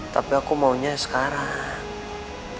tapi aku maunya sekarang